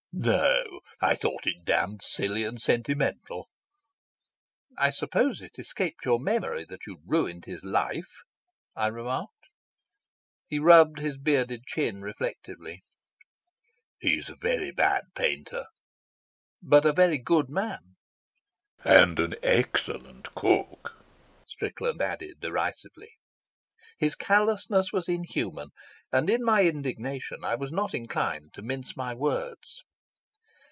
"No; I thought it damned silly and sentimental." "I suppose it escaped your memory that you'd ruined his life?" I remarked. He rubbed his bearded chin reflectively. "He's a very bad painter." "But a very good man." "And an excellent cook," Strickland added derisively. His callousness was inhuman, and in my indignation I was not inclined to mince my words.